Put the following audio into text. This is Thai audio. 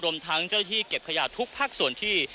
ทั้งเจ้าที่เก็บขยะทุกภาคส่วนที่